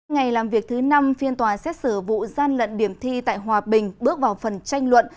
ngày làm việc thứ năm phiên tòa xét xử vụ gian lận điểm thi tại hòa bình bước vào phần tranh luận